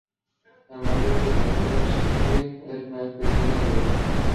El mayor es la isla Stillwell que es pequeña y rocosa.